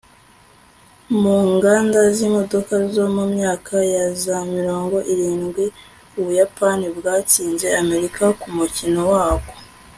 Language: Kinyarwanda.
mu nganda z'imodoka zo mu myaka ya za mirongo irindwi, ubuyapani bwatsinze amerika ku mukino wabwo